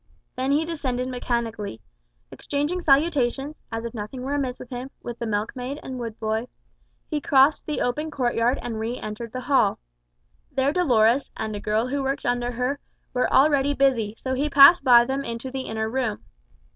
Then he descended mechanically. Exchanging salutations (as if nothing were amiss with him) with the milk maid and the wood boy, he crossed the open courtyard and re entered the hall. There Dolores, and a girl who worked under her, were already busy, so he passed by them into the inner room.